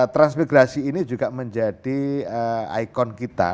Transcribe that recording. transmigrasi ini juga menjadi ikon kita